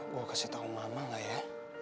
gue kasih tau mama gak ya